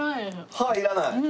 歯いらない？